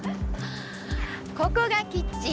ここがキッチン。